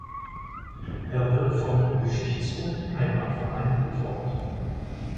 Er wird vom Geschichts- und Heimatverein betreut.